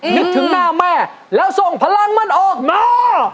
นึกถึงหน้าแม่แล้วส่งพลังมันออกมา